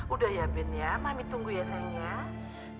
udah ya ben ya mami tunggu ya sayangnya